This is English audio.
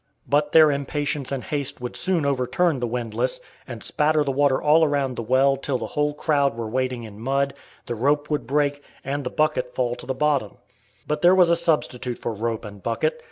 But their impatience and haste would soon overturn the windlass, and spatter the water all around the well till the whole crowd were wading in mud, the rope would break, and the bucket fall to the bottom. But there was a substitute for rope and bucket.